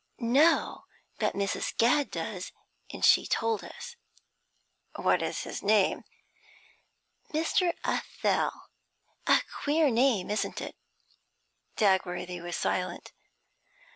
'No, but Mrs. Gadd does, and she told us.' 'What's his name?' 'Mr. Athel a queer name, isn't it?' Dagworthy was silent.